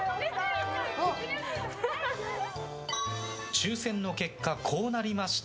抽選の結果、こうなりました。